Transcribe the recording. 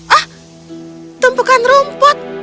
ah tumpukan rumput